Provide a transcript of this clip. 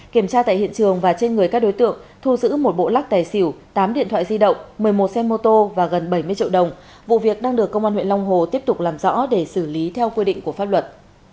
kiểm tra tại hiện trường và trên người các đối tượng thu giữ một bộ lắc tài xỉu tám điện thoại di động một mươi một xe mô tô và gần bảy mươi triệu đồng vụ việc đang được công an huyện long hồ tiếp tục làm rõ để xử lý theo quy định của pháp luật